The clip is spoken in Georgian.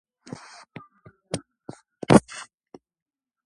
ტბაში არის რამდენიმე მნიშვნელოვანი და დიდი კუნძული.